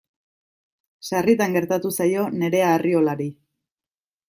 Sarritan gertatu zaio Nerea Arriolari.